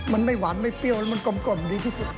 มันไม่หวานไม่เปรี้ยวแล้วมันกลมดีที่สุด